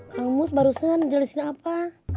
kamu barusan jelasin apa